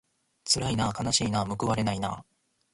つらいなあかなしいなあむくわれないなあ